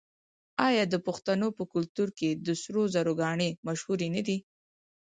آیا د پښتنو په کلتور کې د سرو زرو ګاڼې مشهورې نه دي؟